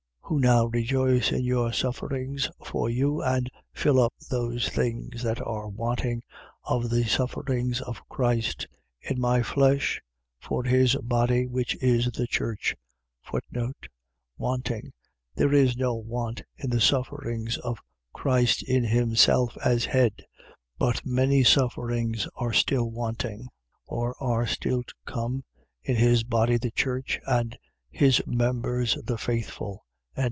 1:24. Who now rejoice in my sufferings for you and fill up those things that are wanting of the sufferings of Christ, in my flesh, for his body, which is the church: Wanting. . .There is no want in the sufferings of Christ in himself as head: but many sufferings are still wanting, or are still to come, in his body the church, and his members the faithful. 1:25.